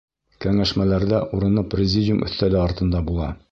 Кәңәшмәләрҙә урыны президиум өҫтәле артында була.